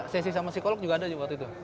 sesi sama psikolog juga ada waktu itu